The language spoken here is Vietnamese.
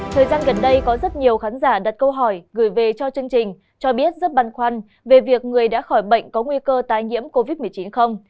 thời gian gần đây có rất nhiều khán giả đặt câu hỏi gửi về cho chương trình cho biết rất băn khoăn về việc người đã khỏi bệnh có nguy cơ tai nhiễm covid một mươi chín không